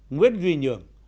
nguyễn duy nhường